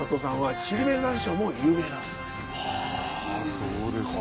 そうですか。